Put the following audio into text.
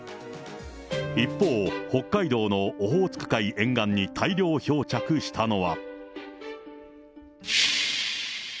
一方、北海道のオホーツク海沿岸に大量漂着したのは。